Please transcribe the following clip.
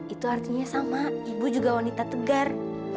itu artinya sama ibu juga wanita tegar